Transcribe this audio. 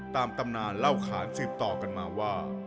ตำนานเล่าขานสืบต่อกันมาว่า